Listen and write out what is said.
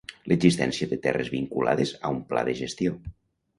L'existència de terres vinculades a un pla de gestió.